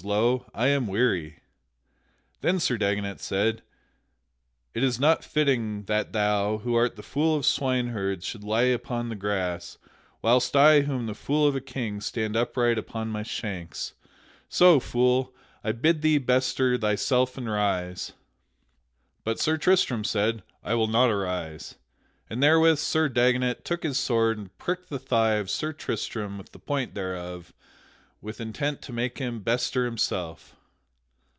Lo! I am weary." Then Sir Dagonet said: "It is not fitting that thou, who art the fool of swineherds shouldst lie upon the grass, whilst I who am the fool of a king stand upright upon my shanks. So, fool, I bid thee bestir thyself and arise." But Sir Tristram said, "I will not arise." And therewith Sir Dagonet took his sword and pricked the thigh of Sir Tristram with the point thereof with intent to make him bestir himself.